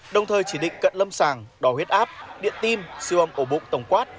đồng thời chỉ định cận lâm sàng đỏ huyết áp điện tim siêu âm ổ bụng tổng quát